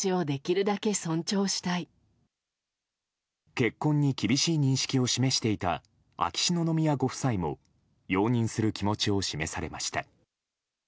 結婚に厳しい認識を示していた秋篠宮ご夫妻も容認する気持ちを示されました。